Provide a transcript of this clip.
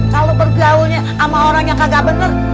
kalau pergaulnya sama orang yang kagak bener